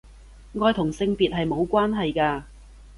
愛同性別係無關係㗎